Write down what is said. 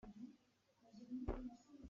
Lacawng tu nih la a cawngh hna .